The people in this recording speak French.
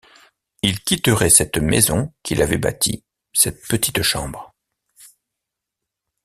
Il quitterait cette maison qu’il avait bâtie, cette petite chambre!